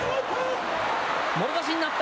もろ差しになった。